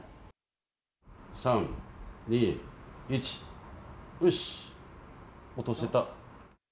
３、２、１、よし、落とせた！